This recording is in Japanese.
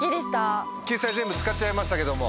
救済全部使っちゃいましたけども。